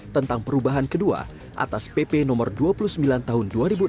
tentang perubahan kedua atas pp no dua puluh sembilan tahun dua ribu enam belas